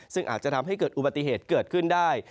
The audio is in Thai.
ซึ่งอาจจะทำให้เกิดอุบัติเหตุเกิดขึ้นได้